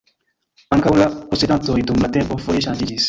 Ankaŭ la posedantoj dum la tempo foje ŝanĝiĝis.